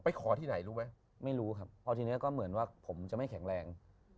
ขอที่ไหนรู้ไหมไม่รู้ครับพอทีนี้ก็เหมือนว่าผมจะไม่แข็งแรง